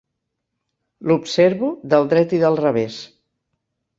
L'observo del dret i del revés.